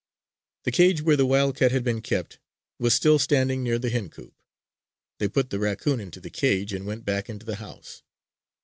The cage where the wildcat had been kept was still standing near the hen coop. They put the raccoon into the cage, and went back into the house.